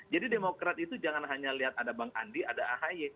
jadi demokrat itu jangan hanya lihat ada bang adi ada ahi